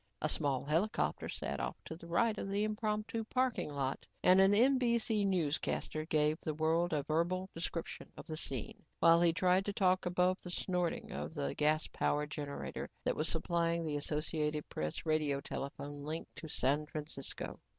A small helicopter sat off to the right of the impromptu parking lot and an NBC newscaster gave the world a verbal description of the scene while he tried to talk above the snorting of the gas powered generator that was supplying the Associated Press radio telephone link to San Francisco.